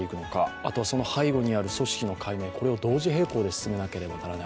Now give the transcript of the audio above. あとは背後にある組織の解明を同時並行で進めなければいけない。